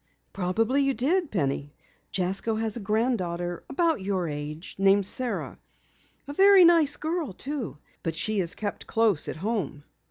"Probably you did, Penny. Jasko has a granddaughter about your age, named Sara. A very nice girl, too, but she is kept close at home."